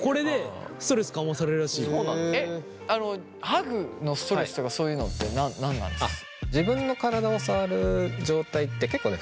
ハグのストレスとかそういうのって何なんですか？